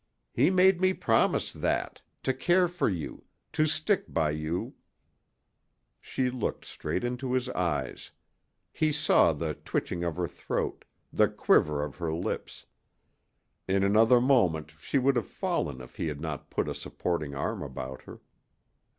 He made me promise that to care for you to stick by you " She looked straight into his eyes. He saw the twitching of her throat, the quiver of her lips. In another moment she would have fallen if he had not put a supporting arm about her.